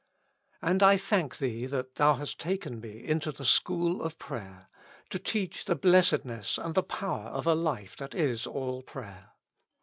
And I thank Thee that Thou hast taken me into the school of prayer, to teach the blessedness and the power of a life that is all prayer.